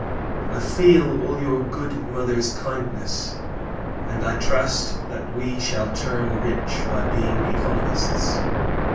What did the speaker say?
I feel all your good mother's kindness; and, I trust, that we shall turn rich, by being economists.